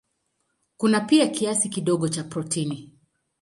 Kuna pia kiasi kidogo cha protini.